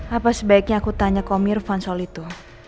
apa sebaiknya aku tanya ke om irvan soal itu